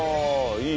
いい！